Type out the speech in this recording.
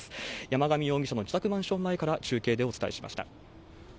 山上容疑者の自宅マンション前から中継でお伝えしました。